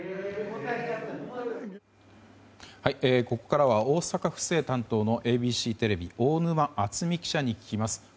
ここからは大阪府政担当のＡＢＣテレビ大沼淳己記者に聞きます。